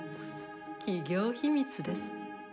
企業秘密です。